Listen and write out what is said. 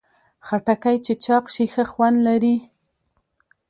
خټکی چې چاق شي، ښه خوند لري.